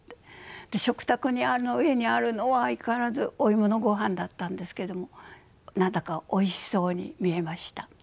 食卓の上にあるのは相変わらずお芋のごはんだったんですけれども何だかおいしそうに見えました。